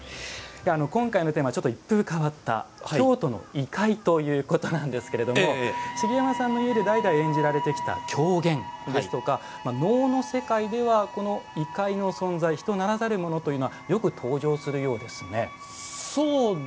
今回のテーマ、一風変わった「京都の異界」ということですが茂山さんの家で代々演じられてきた狂言能の世界では異界の存在人ならざるものというのはよく登場するようですね。